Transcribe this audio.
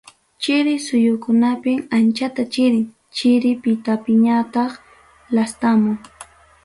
Chiri suyukunapim anchata chirin, chiri mitapiñataq lastamun.